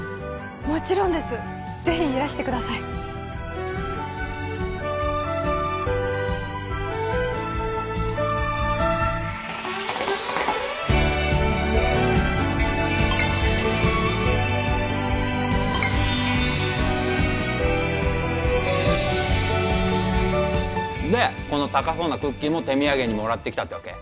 もちろんですぜひいらしてくださいでこの高そうなクッキーも手土産にもらってきたってわけ？